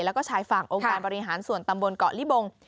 แล้วก็ชายฝั่งองค์การบริหารส่วนตำบลเกาะลิบง